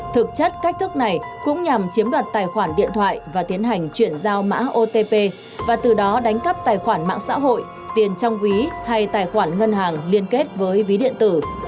thực chất cách thức này cũng nhằm chiếm đoạt tài khoản điện thoại và tiến hành chuyển giao mã otp và từ đó đánh cắp tài khoản mạng xã hội tiền trong ví hay tài khoản ngân hàng liên kết với ví điện tử